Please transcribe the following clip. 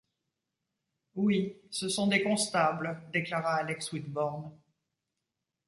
Oui... ce sont des constables... déclara Axel Wickborn.